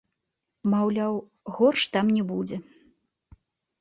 Маўляў, горш там не будзе.